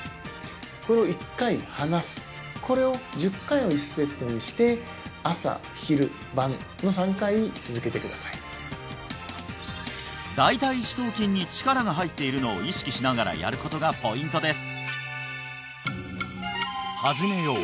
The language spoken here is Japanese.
これを１回離すこれを１０回を１セットにして朝昼晩の３回続けてください大腿四頭筋に力が入っているのを意識しながらやることがポイントです